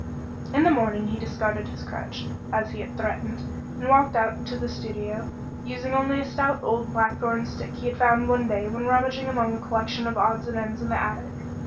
In the morning he discarded his crutch, as he had threatened, and walked out to the studio, using only a stout old blackthorn stick he had found one day when rummaging among a collection of odds and ends in the attic.